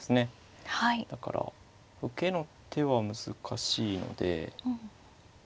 だから受けの手は難しいので。